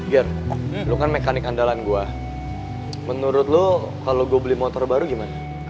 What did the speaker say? ger lo kan mekanik andalan gue menurut lo kalau gue beli motor baru gimana